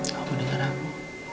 kamu denger aku